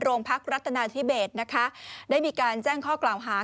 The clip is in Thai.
โรงพักรัฐนาธิเบสได้มีการแจ้งข้อกล่าวหา